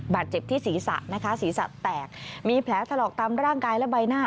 บาดเจ็บที่ศีรษะนะคะศีรษะแตกมีแผลถลอกตามร่างกายและใบหน้า